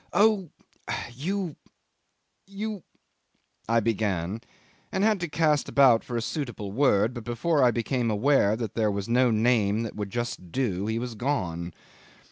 "Oh! you you " I began, and had to cast about for a suitable word, but before I became aware that there was no name that would just do, he was gone.